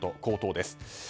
高騰です。